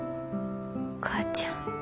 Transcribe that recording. お母ちゃん。